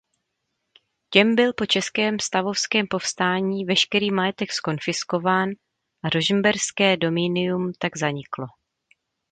Těm byl po českém stavovském povstání veškerý majetek zkonfiskován a Rožmberské dominium tak zaniklo.